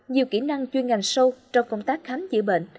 nhiều kỹ năng chuyên ngành sâu trong công tác khám chữa bệnh